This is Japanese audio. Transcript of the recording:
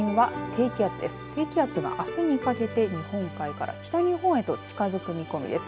低気圧が、あすにかけて日本海から北日本へと近づく見込みです。